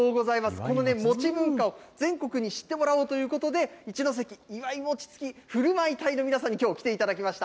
この餅文化を全国に知ってもらおうということで、一関祝い餅つき振舞隊の皆さんにきょう、来ていただきました。